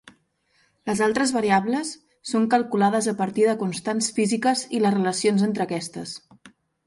Les altres variables són calculades a partir de constants físiques i les relacions entre aquestes.